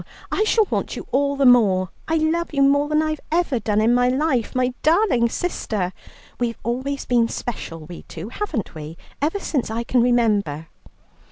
I shall want you all the more. I love you more than I've ever done in my life, my darling sister. We've always been special, we two, haven't we, ever since I can remember?"